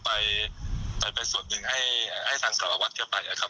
แต่ว่ามันก็ยังตั้งใจทำต่อนะครับนี่ก็เลยว่าอ่า